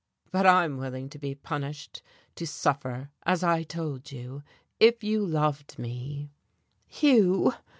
"But I'm willing to be punished, to suffer, as I told you. If you loved me " "Hugh!"